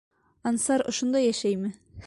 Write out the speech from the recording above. Ансар ошонда йәшәйме?